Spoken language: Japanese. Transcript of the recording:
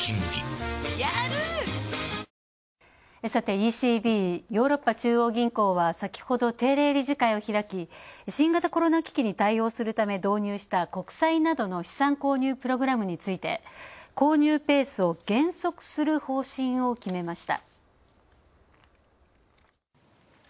ＥＣＢ＝ヨーロッパ中央銀行は先ほど定例理事会を開き、新型コロナ危機に対し導入した国債などの資産購入プログラムについて、購入ペースを減速する方針を決めました。